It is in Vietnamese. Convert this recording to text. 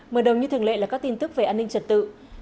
mở đầu như thường lệ là các tin tức về an ninh trật tự